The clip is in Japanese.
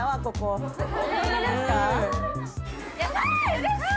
うれしい！